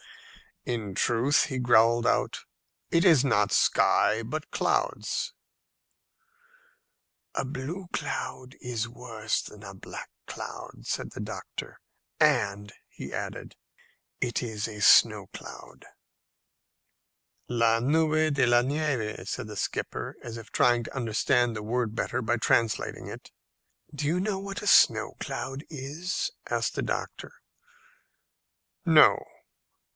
"In truth," he growled out, "it is not sky but clouds." "A blue cloud is worse than a black cloud," said the doctor; "and," he added, "it's a snow cloud." "La nube de la nieve," said the skipper, as if trying to understand the word better by translating it. "Do you know what a snow cloud is?" asked the doctor. "No."